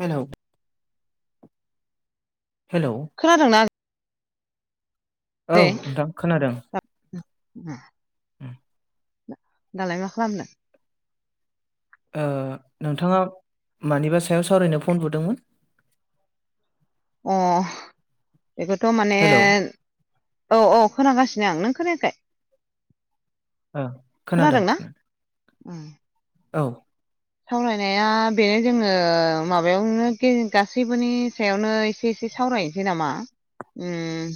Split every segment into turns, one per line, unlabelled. हेल'। Hello.
खोनादोंना।
औ नोंथां खोनादों।
मा दालाय मा खालामनो।
ओ नोंथाङा मानिबा सायाव सावरायनो फन बुदोंमोन।
अ बेखौथ' माने।
हेलौ
औ औ खोनागासिनो आं नों खोनायाखै।
ओ खोनादों खोनादों।
ओम।
औ।
सावरायनाया बेनो जोङो माबायावनो गासैबोनि सायावनोसे। एसे एसे सावरायनोसै नामा ओम।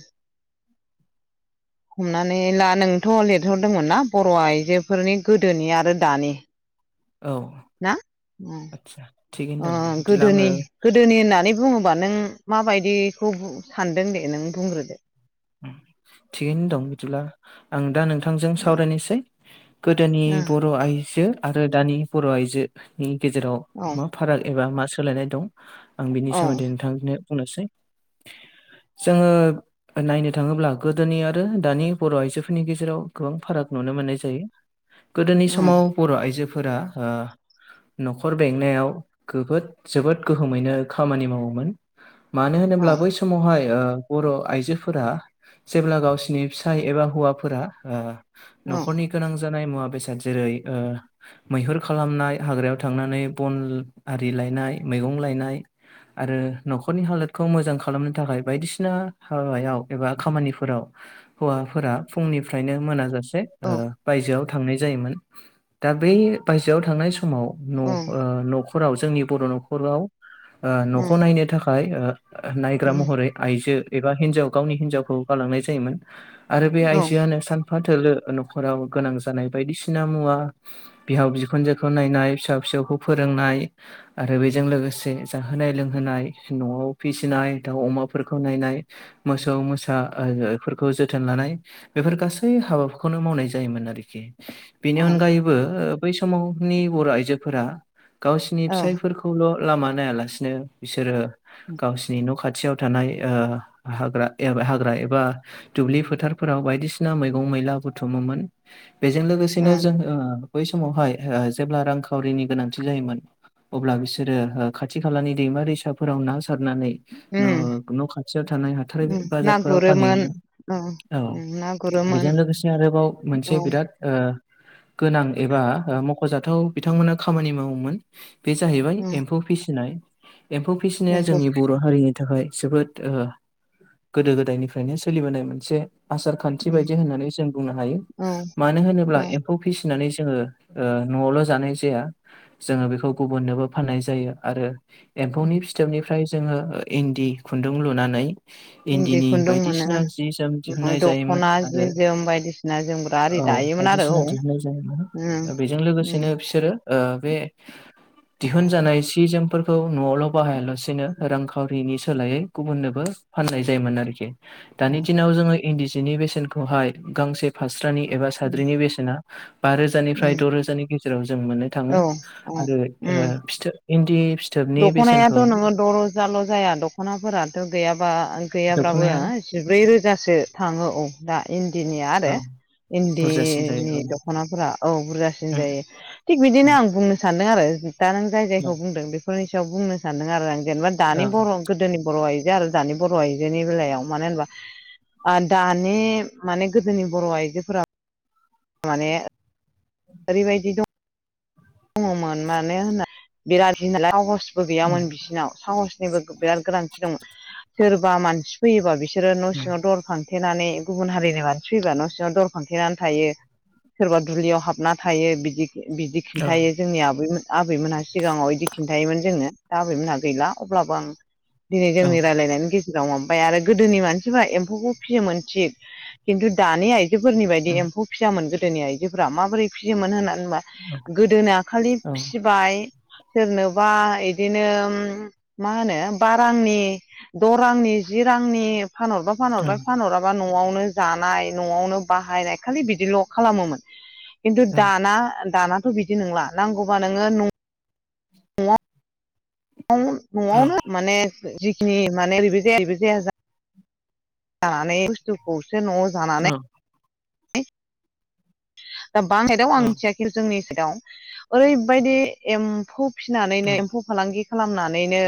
हमनानै ला नोंथ' लिरहरदोंमोनना बर' आइजोफोरनि गोदोनि आरो दानि।
औ।
ना
आदसा थिगैनो
अ
दं दे बिदिब्ला आङो
गोदोनि गोदोनि होननानै बुङोबा नों। माबायदिखौ बु सानदों दे नों बुंग्रोदो।
थिगैनो दं बिदिब्ला आं दा नोंथांजों सावरायनोसै। गोदोनि
ओ
बर' आइजो आरो दानि बर' आइजोनि गेजेराव
औ
मा। फाराग एबा मा सोलायनाय दं आं बिनि
औ
सोमोन्दै नोंथांनो। बुंनोसै जोङो। नायनो थाङोब्ला गोदोनि आरो दानि बर' आइजोफोरनि गेजेराव गोबां फाराग नुनो मोननाय जायो। गोदोनि
उम
समाव बर' आइजोफोरा ओ। न'खर बेंनायाव गोबोद जोबोद गोहोमैनो खामानि मावोमोन। मानो
ना
होनोब्ला बै समावहाय बर' आइजोफोरा जेब्ला गावसिनि। नि फिसाय एबा हौवाफोरा ओ न'खरनि गोनां जानाय मुवा बेसाद जेरै ओ। मैहुर खालामनाय हाग्रायाव थांनानै बन आरि लायनाय मैगं लायनाय। आरो न'खरनि हालोदखौ मोजां खालामनो थाखाय बायदिसिना हाबायाव। एबा खामानिफोराव हौवाफोरा फुंनिफ्रायनो मोनाजासे ओ। बायजोआव थांनाय जायोमोन दा बै बायजोआ आरोव थांनाय समाव न' ओ न' [unintelligible] न' फोराव जोंनि बर' न'खराव न'खौ नायनो थाखाय ओ नायग्रा महरै। आइजो एबा हिनजाव गावनि हिनजावखौ गालांनाय जायोमोन आरो बे आइजोआनो सान फा थोलो न'खराव गोनां जानाय बायदिसिना मुवा। बिहाव बिखुनजोखौ नायनाय फिसा फिसौखौ फोरोंनाय। आरो बेजों लोगोसे जाहोनाय लोंहोनाय न'आव फिसिनाय दाउ अमाफोरखौ नायनाय। मोसौ मोसा [unintelligible] फोरखौ आरो बेफोरखौ जोथोन लानाय। बेफोर गासै हाबाखौनो मावनाय जायोमोन आरोखि। बेनि अनगायैबो बै समावनि बर' आइजोफोरा गावसिनि फिसायफोरखौ। खौल' लामा नायालासिनो बिसोरो गावसिनि न' खाथियाव थानाय ओ हाग्रा ए हाग्रा एबा दुब्लि फोथारफोराव बायदिसिना मैगं मैला बुथुमोमोन। बेजों लोगोसेनो जों ओ बै समावहाय ओ जेब्ला रांखावरिनि गोनांथि जायोमोन। अब्ला बिसोरो खाथि खालानि दैमा दैसाफोराव ना सारनानै न' न' खाथियाव थानाय हाथाय बाजारफोराव फानहैयोमोन औ
उम, ना गुरोमोन
बेजों लोगोसे आरोबाव मोनसे
औ
बिराद ओ गोनां एबा मख'जाथाव बिथांमोना खामानि मावोमोन। बे जाहैबाय
उम,
एम्फौ फिसिनाय एम्फौ फिसिनाया
एम्फौ
जोंनि बर' हारिनि थाखाय जोबोद ओ गोदो गोदायनिफ्रायनो सोलिबोनाय मोनसे आसार खान्थि
उम,
बायदि होननानै जों बुंनो हायो
औ
मानो होनोब्ला
औ
[unintelligible] खौ फिसिनानै जोङो ओ न'आवल' जानाय जाया। जोङो बेखौ गुबुननोबो फाननाय जायो आरो एम्फौनि
उम,
फिथोबनिफ्राय जोङो इन्दि खुन्दुं लुनानै
इन्दि
इन्दिनि
खुन्दुं मोनो
बायदिसिना जि जोम
उम,
दिहुनन्नाय जायोमोन
दख'ना जि
आरो
जोम बायदिसिना जोमग्रा आरि
औ
दायोमोन आरो औ
बायदिसिना
उम,
दिहुनन्नाय जायोमोन बेजों
उम,
लोगोसेनो बिसोरो ओ बे दिहुनजानाय सि जोमफोरखौ न'आवल' बाहायाल'सिनो रांखावरि बिनि सोलायै गुबुननोबो फाननाय जायोमोन आरोखि दानि
उम,
दिनाव जोङो इन्दि सिनि बेसेनखौहाय गांसे फास्रानि एबा
उम,
साद्रिनि बेसेना बा रोजानिफ्राय द'
उम,
रोजानि गेजेराव जों
औ
मोननो
औ
आरो ओ
उम,
फि इन्दि फि
दख'नायाथ' नोङो दरोजाल' जाया दख'नाफोराथ' गैयाबा गैयाब्राबो
दख'नाया
जिब्रै रोजासो थाङो औ दा इन्दिनिया
औ
आरो
बुरजासिन जायो
इन्दिनि
औ उम
दख'नाफोरा औ बुरजासिन जायो थिग बिदिनो
उम
आं [unintelligible] सानदों आरो दा नों जाय
औ
जायखौ बुंदों बेफोरनि सायाव बुंनो सानदों आरो आं जेनेबा दानि बर' गोदोनि बर' आइजो आरो दानि बर' आइजोनि बेलायाव मानो होनबा ओ दानि माने गोदोनि बर' आइजोफोरा माने ओरैबायदि दं दङमोन मानो होनना बिराद होनालाय साहसबो
उम
गैयामोन बिसिनाव साहस नि बिराद गोनांथि दं सोरबा मानसि फैयोबा बिसोरो न'
उम
सिङाव दर फां थेनानै गुबुन हारिनि मानसि फैबा न' सिङाव दर फांथेनानै थायो। सोरबा दुलियाव हाबना थायो बिदि बिदि
औ
खिन्थायो। जोंनि आबैमोन आबैमोनहा सिगाङाव इदि खिन्थायोमोन जोङो दा आबैमोनहा गैला अब्लाबो आं दिनै
औ
जोंनि रायलायनायनि गे सिगाङाव माबाबाय आरो गोदोनि मानसिफ्रा एम्फौखौ फिसियोमोन थिग खिन्थु दानि आइ आयजोफोरनि बायदि
उम
एम्फौ फियामोन गोदोनि आइजोफोरा माबोरै फिसियोमोन होननानै होनबा
औ
गोदोना खालि
औ
फिबाय सोरनोबा इदिनो मा होनो बा रांनि द' रांनि जि रांनि फानहरबा
औ
फानहरबाय फानहराबा बा न'आवनो जानाय न'आवनो बाहायनाय खालि बिदिल' खालामोमोन खिन्थु
औ
दाना दानाथ' बिदि नंला नांगौबा नोङो न न'आव न'आवनो माने जिखिनि माने ओरैबो जाया ओरैबो जाया जा जानानै बुस्थुखौसो न'आव जानानै दा बांसाइदाव आं
औ
मिथिया खिनथु जोंनि साइदआव ओरैबायदि एम्फौ फिनानैनो एम्फौ फालांगि खालामनानैनो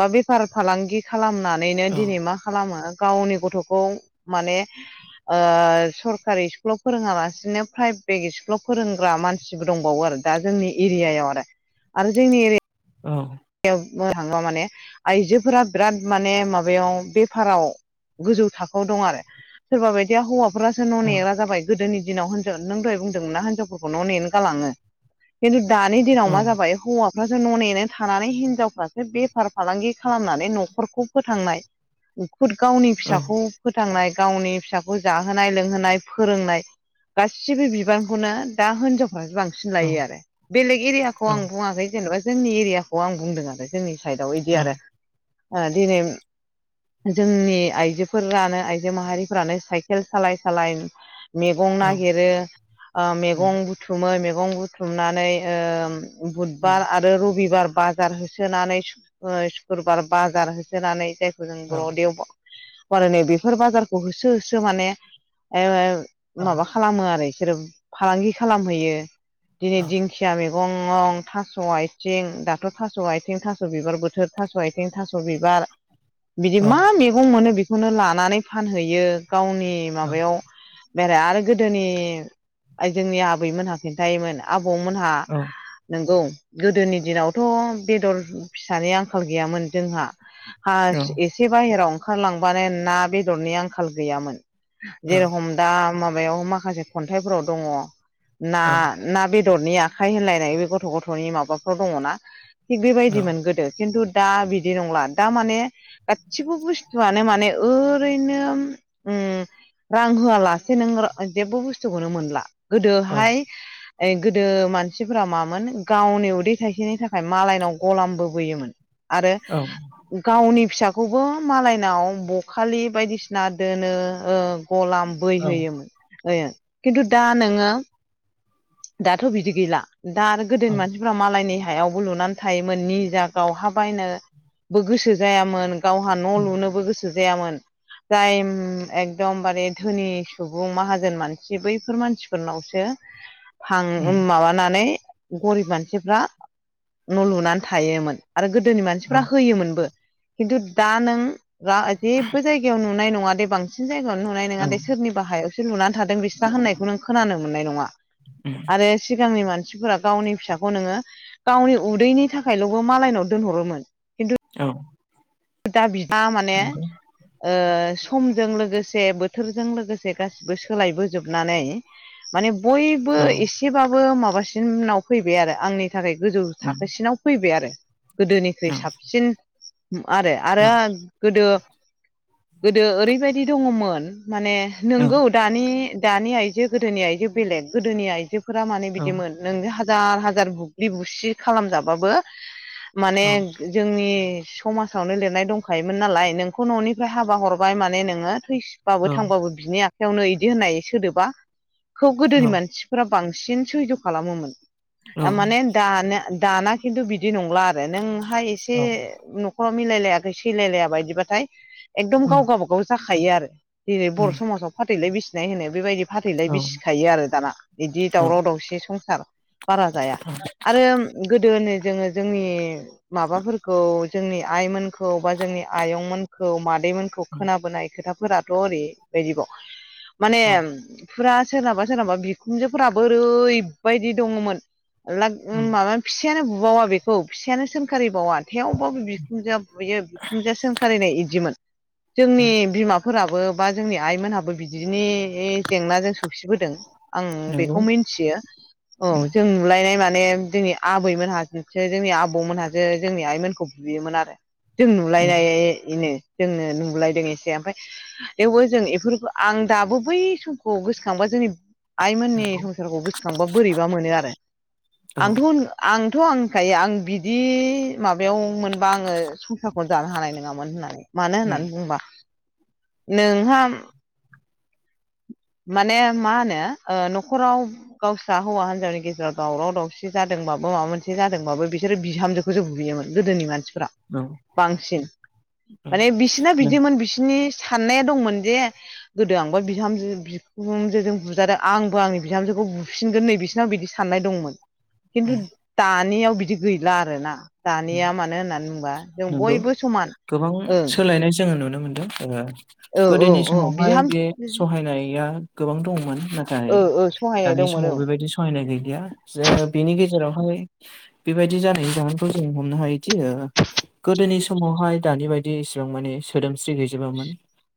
बा बेफार फालांगि खालामनानैनो दिनै मा खालामो गावनि गथ'खौ माने ओ सरकारि स्कुलाव फोरोङालासिनो प्राइभेट स्कुलाव फोरोंग्रा मानसिबो दंबावो आरो दा जोंनि एरियायाव आरो आरो जोंनि एरिया
औ
बुंनोथाङोबा माने आइजोफोरा बिराद माने माबायाव बेफाराव गोजौ थाखोआव दं आरो सोरबा बायदिया हौवाफोरासो न' नेग्रा जाबाय गोदोनि दिनाव होनजाव नों दहाय बुंदोंमोन ना हिनजावफोरखौ न' नेनो गालाङो खिनथु दानि दिनाव
औ
मा जाबाय हौवाफ्रासो न' नेनो थानानै हिनजावफ्रासो बेफार फालांगि खालामनानै न'खरखौ फोथांनाय खुद गावनि
औ
फिसाखौ फोथांनाय गावनि फिसाखौ जाहोनाय लोंहोनाय फोरोंनाय गासिबो बिबानखौनो दा हिनजाव बांसिन
औ
लायो आरो बेलेग एरियाखौ आं बुङाखै जेनेबा जोंनि एरियाखौ आं बुंदों आरो जोंनि साइदआव
औ
इदि आरो ओ दिनै जोंनि आइजोफोरानो आइजो माहारिफोरानो साइकेल सालाय सालाय मैगं नागिरो ओ
उम
मैगं बुथुमो मैगं बुथुमनानै ओ बुधबार
उम
आरो रबिबार बाजार होसोनानै सुक्रुबार बाजार होसोनानै जायखौ जों
औ
बर'देवबा मार नै बेफोर बाजारखौ होसो होसो माने
औ
ओ माबा खालामो आरो बिसोरो फालांगि खालामहैयो दिनै दिंखिया मे गंं थास' आथिं दाथ' थास' आथिं थास' बिबार बोथोर थास' आथिं थास' बिबार बिदि
औ
मा मे गं मोनो बेखौनो लानानै फानहैयो गावनि माबायाव बेराय आरो गोदोनि जोंनि आबैमोनहा खिन्थायोमोन आबौमोनहा
औ उम
नंगौ गोदोनि दिनाव थ' बेदर फिसानि आंखाल गैयामोन जोंहा हास एस से बाहेरायाव ओंखारलांबानो ना बेदरनि आंखाल गैयामोन जेरखम दा माबायाव माखासे खन्थाइफोराव दङ ना ना बे बेदरनि आखाइ होनलायनाय बे गथ' गथ'नि माबाफ्राव दङ ना थिग बेबायदिमोन गोदो खिन्थु दा बिदि नंला दा माने गासिबो बुस्थुआनो माने ओरैनो उम रां होआलासे नों जेबो बुस्थुखौनो मोनला गोदोहाय गोदो मानसिफोरा मामोन गावनि उदै थाइसेनि थाख खाय मालायनाव गलामबोबोयोमोन आरो गावनि फिसाखौबो मालायनाव बखालि बायदिसिना दोनो ओ गलाम बैहयोमोन ओ खिन्थु दा नोङो दाथ' बिदि गैला दा आरो गोदोनि मानसि फोरा मालायनि हायावबो लुनानै थायोमोन निजा गाव हा बायनो बो गोसो जायामोन गावहा न' लुनोबो गोसो जायामोन जाय एकदमबारे धोनि सुबुं माहाजोन मानसि बैफोर मानसिफोरनावसो
उम
हां माबानानै गरिब मानसिफ्रा न' लुनानै थायोमोन। आरो गोदोनि
औ
मानसिफ्रा होयोमोनबो खिन्थु दा नों दा जेबो जायगायाव नुनाय नङा दे बांसिन जायगायावनो नुनाय
औ
नङा दे सोरनिबा हायाव बिसोर लुनानै थादों बिस्रा होननायखौ नों खोनानो मोननाय नङा।
उम
आरो सिगांनि मानसिफोरा गावनि फिसा खौ नोङो गावनि उदैनि थाखायल'बो मालायनाव दोनहरोमोन। खिन्थु
औ।
दा बिथाङा माने
नंगौ
ओ समजों लोगोसे बोथोरजों लोगोसे गासिबो सोलायबोजोबनानै माने बयबो
औ
एसेबाबो माबासिनाव फैबाय आरो आंनि थाखाय गोजौ
उम
थाखोसिनाव फैबाय आरो
औ
गोदोनिख्रुइ साबसिन आरो
औ
आरो गोदो गोदो ओरैबायदि दङमोन माने
औ
नोंगौ दानि दानि आइजो गोदोनि आइजो बेलेग गोदोनि आइजोफोरा माने बिदिमोन नों हाजार हाजार बुग्लि बुसि खालामजाबाबो माने जोंनि समाजावनो लिरनाय दंखायोमोन नालाय नोंखौ न'निफ्राय हाबा हरबाय माने नोङो थैबाबो थांबाबो बिनि आखायावनो बिदि होननाय सोदोबा खोब गोदोनि मानसि फोरा बांसिन सैज' खालामोमोन
औ
माने दा- दाना खिन्थु बि बिदि नंला आरो नोंहा एसे
औ
न'खराव मिलायलायाखै सैलायलाया बायदिबाथाय एकदम
उम
गाव गावाबागाव जाखायो आरो। जेरै बर'
उम
समाजाव फाथैलाय बिसिनाय होनो बेबायदि फाथैलाय बिसिखायो आरो दाना, बिदि दावराव
औ
दावसि संसार। बारा
औ
जाया, आरो गोदोननि जोङो जोंनि माबाफोरखौ जोंनि आइमोनखौ बा जोंनि आयंमोनखौ मादैमोनखौ
उम
खोनाबोनाय खोथा फोराथ' ओरैबायदिबाव। माने
औ
फुरा सोरनाबा सोरनाबा बिखुनजोफोराबो ओरैबायदि दङमोन
उम
माबा फिसायानो बुबावा बेखौ फिसायानो सोंखारिबावा थेव बो बिखुनजोआ बुयो बिखुनजोआ सोंखारिनाय बिदिमोन। जोंनि
उम
बिमा फोराबो बा जोंनि आइमोनहाबो बिदिनि जेंनाजों सौसिबोदों आं
नंगौ
बेखौ मिथियो। औ
उम
जों नुलायनाय माने जोंनि आबैमोनहोसो जोंनि आबौमोनहासो जोंनि आइमोनखौ बुयोमोन आरो जों
उम
नुलायनायनो जोंनो नुलायदों एसे ओमफ्राय थेवबो जों बेफोरखौ आं दाबो बै समखौ गोसोखांबा जोंनि आइमोननि
नंगौ
संसारखौ गोसोखांबा बोरैबा मोनो आरो।
औ उम
आंथ' आंथ' आंखायो आं बिदि माबायाव मोनबा आङो संसारखौनो जानो हानाय नङामोन होननानै। मानो
औ
होननानै बुंबा नोंहा माने मा होनो न'खराव गावस्रा हौवा हिजावनि गेजेराव दावराव दावसि जादोंबाबो माबा मोनसे जादोंबाबो बिसोर बिहामजो खौबो बुयोमोन गोदोनि मानसिफ्रा।
नों
बांसिन।
उम
माने बिसिना बिदिमोन बिसिनि साननाया दंमोन जे गोदो आंबा बिहामजो बिखुनजोजों बुजादों आंबो आंनि बिहामजोखौ बुफिनगोन नै बिसोरनाव बिदि साननाय दंमोन। खिन्थु दानियाव बिदि गैला आरो ना।
नंगौ
समान
गोबां
ओं
सोलायनाय जोङो नुनो मोनदों। ओ
औ औ
गोदोनि
औ
समावहाय
बिहाम
बे सहायनाया गोबां दंमोन ना
ओ ओ सहायनाय
दानि
दंमोन
समाव
औ
बेबायदि सहायनाय गैलिया जे बिनि गेजेरावहाय बेबायदि जानायनि जाहोन जों हमनो हायोदि गोदोनि समावहाय दानि बायदि एसेबां माने सोदोमस्रि गैजोबामोन।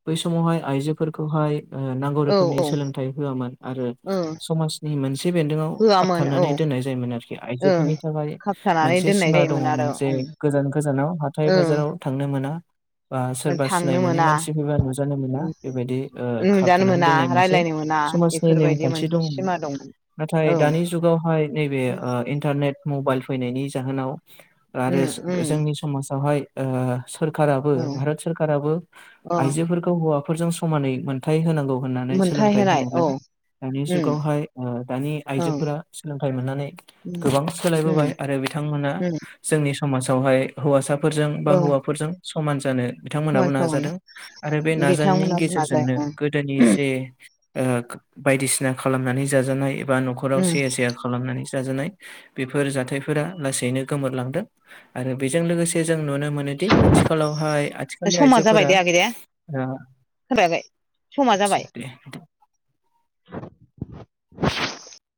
बै समावहाय आइजोफोरखौहाय नांगौ
औ
रोखोमनि
औ
सोलोंथाइ होआमोन आरो
ओ
समाजनि मोनसे बेन्दोंआव
होआमोन औ
खाबथानानै दोननाय जायोमोन आरोखि।
ओं
आइजोफोरनि थाखाय
खाबथानानै दोननाय
दङ
जायोमोन आरो
जे
ओं
गोजान गोजानाव हाथाइ-बाजाराव
ओं
थांनो मोना। बा सोरबा सिनाय
थांनो
मोनै
मोना
मानसि फैबा नुजानो मोना बे बायदि
नुजानो
खाबथानानै
मोना
दोननाय मोनसे
रायलायनो मोना
समाजनि
बेफोरबायदि
नेमखान्थि
मोनसे
दङमोन।
सिमा दंमोन
नाथाय
औ
दानि
उम
जुगावहाय नैबे इन्टारनेट मबाइल फैनायनि जाहोनाव आरो
उम
जोंनि समाजावहाय सोरखाराबो
औ
भारत सोरखाराबो
औ
आइजोफोरखौ हौवाफोरजों समानै मोनथाय होनांगौ होनानै
मोनथाय
सोलोंथाइ
होनाय औ
होनायलाय दानि
उम
जुगावहाय, दानि
औ
आइजोफोरा सोलोंथाइ मोननानै
उम
गोबां
उम
सोलायबोबाय आरो बिथांमोना
उम
जोंनि समाजावहाय हौवासाफोरजों बा
औ
हौवाफोरजों समान जानो बिथांमोनाबो
समान समान
नाजादों, आरो बे नाजानायनि
बिथांमोना बुङा
गेजेरजोंनो
जाया
गोदोनि
उम
जे बायदिसिना खालामनानै जाजानाय एबा न' खराव
उम
सैया सैया खालामनानै जाजानाय बेफोर जाथायफोरा लासैनो गोमोरलांदों आरो बेजों लोगोसे जों नुनो मोनो दि आथिखालावहाय आथिखालनि
समा जाबाय
आइजोफोरा
दे आगै दे खोनाबाय आगै समा जाबाय
[unintelligible] [unintelligible]